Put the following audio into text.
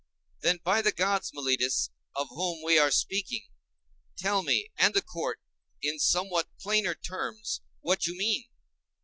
Then, by the gods, Meletus, of whom we are speaking, tell me and the court, in somewhat plainer terms, what you mean!